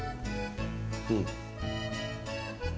うん？